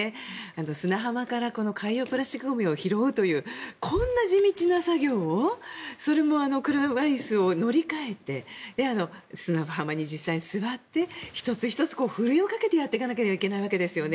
砂浜からこの海洋プラスチックゴミを拾うというこんな地道な作業をそれも車椅子を乗り換えて砂浜に実際座って１つ１つふるいをかけてやっていかなければいけないわけですよね。